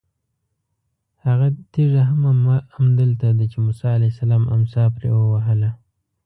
هغه تېږه هم همدلته ده چې موسی علیه السلام امسا پرې ووهله.